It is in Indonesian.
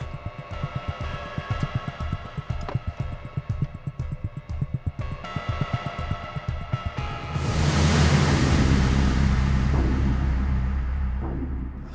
stop ganggu anak warior